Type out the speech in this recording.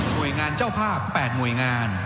โดยงานเจ้าภาพ๘หน่วยงาน